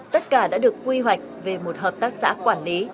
tất cả đã được quy hoạch về một hợp tác xã quản lý